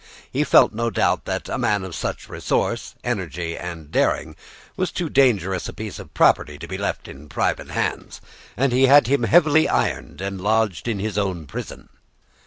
He felt, no doubt, that a man of such resource, energy, and daring, was too dangerous a piece of property to be left in private hands; and he had him heavily ironed and lodged in his own prison.